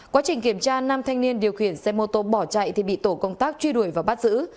quá trình kiểm tra nam thanh niên điều khiển xe mô tô bỏ chạy thì bị tổ công tác truy đuổi và bắt giữ